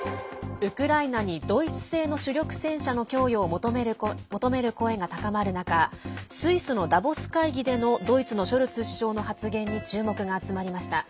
ウクライナにドイツ製の主力戦車の供与を求める声が高まる中スイスのダボス会議でのドイツのショルツ首相の発言に注目が集まりました。